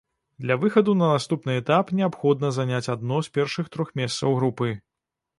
Для выхаду на наступны этап неабходна заняць адно з першых трох месцаў групы.